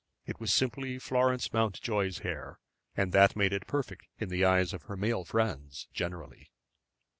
It was simply Florence Mountjoy's hair, and that made it perfect in the eyes of her male friends generally.